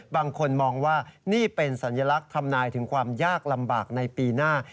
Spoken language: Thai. บางคนมองว่านี่เป็นสัญลักษณ์ทำนายถึงความยากลำบากในปีหน้า